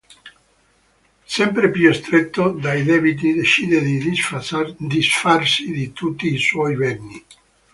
Sempre più stretto dai debiti, decide di disfarsi di tutti i suoi beni.